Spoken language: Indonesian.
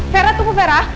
fera tunggu fera